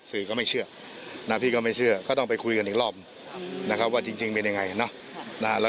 สื่อก็ไม่เชื่อพี่ก็ไม่เชื่อต้องคุยกันอีกรอบว่าจริงเป็นอย่างไร